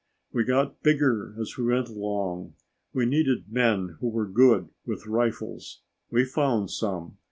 We got bigger as we went along. We needed men who were good with rifles. We found some.